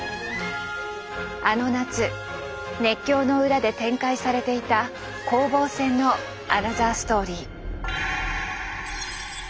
あの夏熱狂の裏で展開されていた攻防戦のアナザーストーリー。